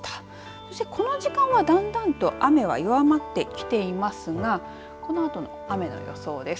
そしてこの時間はだんだんと雨は弱まってきていますがこのあとの雨の予想です。